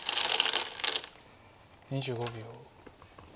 ２５秒。